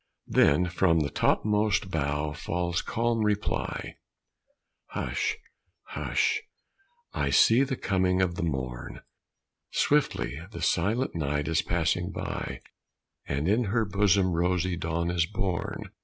Then from the topmost bough falls calm reply: "Hush, hush, I see the coming of the morn; Swiftly the silent night is passing by, And in her bosom rosy Dawn is borne.